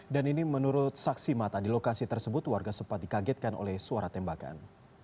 dan ini menurut saksi mata di lokasi tersebut warga sempat dikagetkan oleh suara tembakan